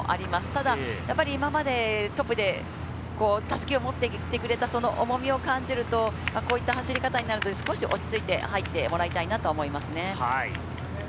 ただ、今までトップで襷を持って行ってくれた重みを感じると、こういった走りになるので、少し落ち着いて入ってもらいたいなと思いますね。